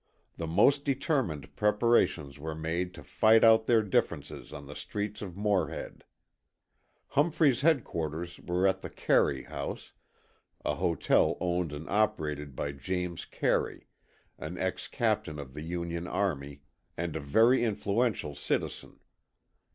The most determined preparations were made to fight out their differences on the streets of Morehead. Humphrey's headquarters were at the Carey House, a hotel owned and operated by James Carey, an ex captain of the Union army and a very influential citizen.